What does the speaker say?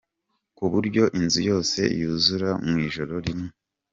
Ku buryo inzu yose yuzura mu ijoro rimwe.